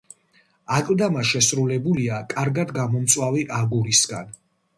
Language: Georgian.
აკლდამა შესრულებულია კარგად გამომწვარი აგურისგან.